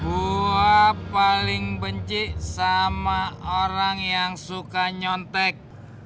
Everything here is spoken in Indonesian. gua paling benci sama orang yang suka nyontek